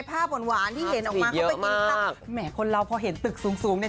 ภาพหวานที่เห็นออกมาเขาไปกินข้าวแหมคนเราพอเห็นตึกสูงสูงเนี่ย